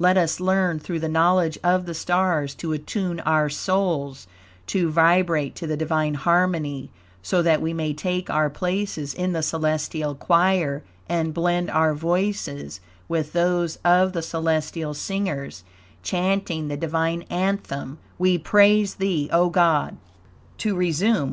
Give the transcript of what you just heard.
Let us learn, through the knowledge of the stars, to attune our souls to vibrate to the Divine harmony, so that we may take our places in the celestial choir and blend our voices with those of the celestial singers, chanting the Divine anthem: "We Praise Thee, O God!" To resume.